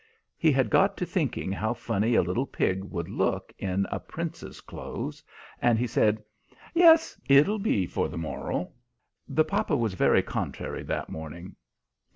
He had got to thinking how funny a little pig would look in a Prince's clothes, and he said, "Yes, it'll be for the moral." The papa was very contrary that morning.